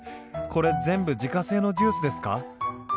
これ全部自家製のジュースですか？